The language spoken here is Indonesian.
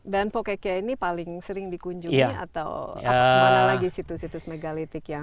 dan poquequea ini paling sering dikunjungi atau mana lagi situs situs megalithik yang